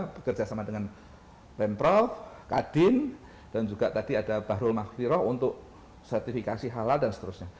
bekerja sama dengan pemprov kadin dan juga tadi ada bahrul mahfiroh untuk sertifikasi halal dan seterusnya